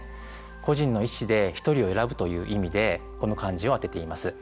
個人の意思でひとりを選ぶという意味で、この漢字を当てています。